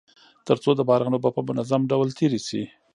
تر څو د باران اوبه په منظم ډول تيري سي.